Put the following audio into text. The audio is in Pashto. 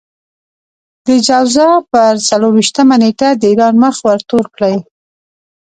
د جوزا پر څلور وېشتمه نېټه د ايران مخ ورتور کړئ.